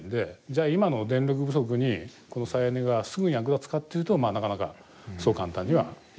じゃあ今の電力不足にこの再エネがすぐに役立つかっていうとなかなかそう簡単にはいかないんですね。